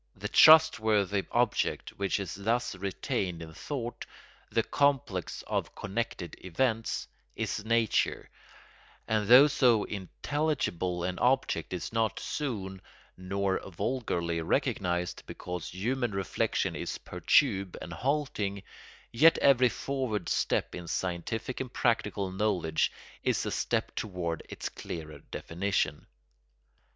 The trustworthy object which is thus retained in thought, the complex of connected events, is nature, and though so intelligible an object is not soon nor vulgarly recognised, because human reflection is perturbed and halting, yet every forward step in scientific and practical knowledge is a step toward its clearer definition.